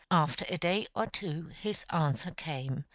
After a day or two his answer came.